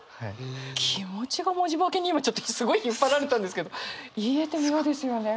「気持ちが文字化け」に今すごい引っ張られたんですけど言い得て妙ですよね。